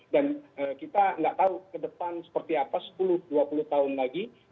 dan kita nggak tahu ke depan seperti apa sepuluh dua puluh tahun lagi